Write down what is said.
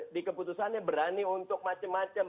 di keputusannya berani untuk macam macam